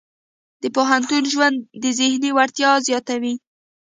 د پوهنتون ژوند د ذهني وړتیاوې زیاتوي.